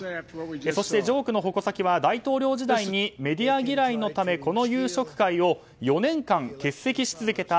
そして、ジョークの矛先は大統領時代にメディア嫌いのためこの夕食会を４年間欠席し続けた